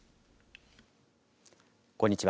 こんにちは。